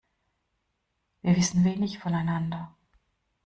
Wir wissen wenig voneinander.